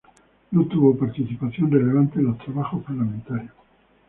No tuvo participación relevante en los trabajos parlamentarios.